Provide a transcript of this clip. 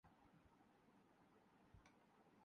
ہمارے ملک میں فوج کے سوا ھے بھی کیا